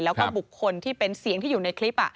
แล้วก็บุคคลที่เป็นเสียงที่อยู่ในคลิป